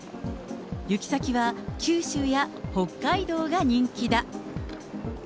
行き先は、九州や北海道が人気だ。